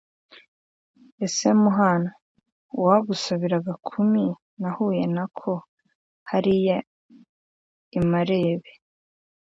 ese muhanu, uwagusabira agakumi nahuye na ko hariya i marebe